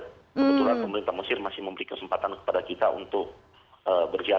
kebetulan pemerintah mesir masih memiliki kesempatan untuk melakukan perjalanan wisata